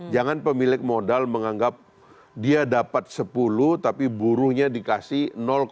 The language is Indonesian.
jangan pemilik modal menganggap dia dapat sepuluh tapi buruhnya dikasih